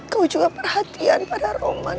kau juga perhatian pada roman